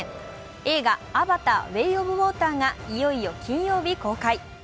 映画「アバターウェイ・オブ・ウォーター」がいよいよ金曜日公開。